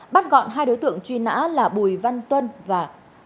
bắt gọn hai đối tượng truy nã là bùi văn tuân và bùi văn tuân